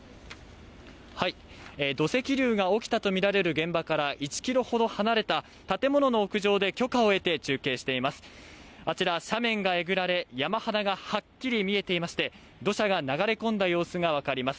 土石流が起きたとみられる現場から１ｋｍほど離れた建物の屋上で許可を得て中継しています。